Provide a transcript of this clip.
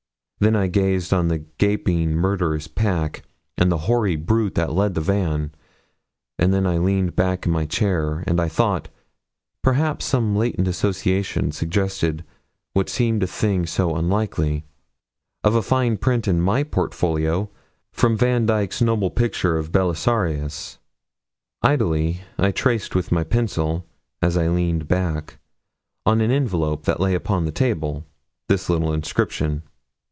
Then I gazed on the gaping, murderous pack, and the hoary brute that led the van; and then I leaned back in my chair, and I thought perhaps some latent association suggested what seemed a thing so unlikely of a fine print in my portfolio from Vandyke's noble picture of Belisarius. Idly I traced with my pencil, as I leaned back, on an envelope that lay upon the table, this little inscription.